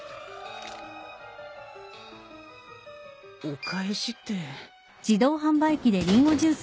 お返しって。